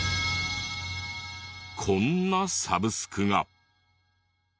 こんなサブスクが。